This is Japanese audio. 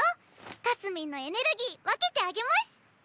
かすみんのエネルギー分けてあげます！